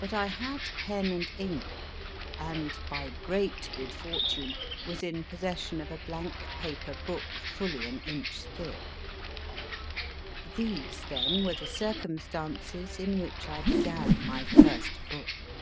But I had pen and ink, and, by great good fortune, was in possession of a blank paper book fully an inch thick. These, then, were the circumstances in which I began my first book.